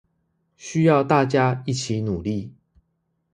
需要大家一起努力